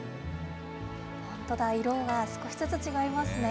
本当だ、色が少しずつ違いますね。